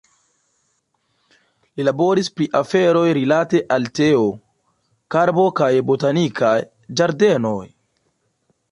Li laboris pri aferoj rilate al teo, karbo kaj botanikaj ĝardenoj.